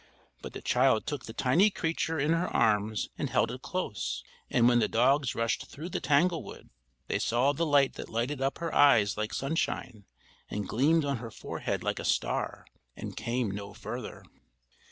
But the child took the tiny creature in her arms and held it close; and when the dogs rushed through the tanglewood, they saw the light that lighted up her eyes like sunshine and gleamed on her forehead like a star, and came no further.